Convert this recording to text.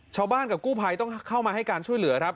ชาวบ้านกับกู้ภัยต้องเข้ามาให้การช่วยเหลือครับ